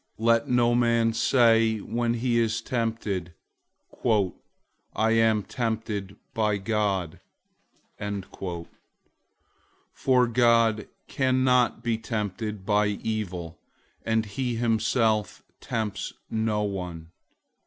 001:013 Let no man say when he is tempted, "I am tempted by God," for God can't be tempted by evil, and he himself tempts no one.